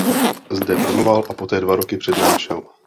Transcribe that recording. Zde promoval a poté dva roky přednášel.